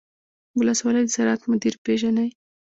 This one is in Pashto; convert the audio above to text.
د ولسوالۍ د زراعت مدیر پیژنئ؟